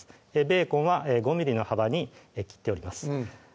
ベーコンは５ｍｍの幅に切っております